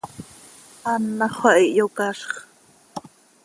Anàxö xah iyocazx.